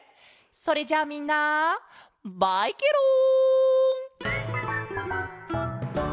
それじゃみんなバイケロン！